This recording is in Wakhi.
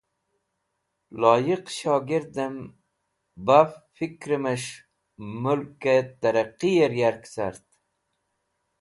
Loyiq shogirdẽm baf fikrẽ mes̃h mulkẽ tẽrẽqir yark cart.